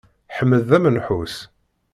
Ḥmed d amenḥus.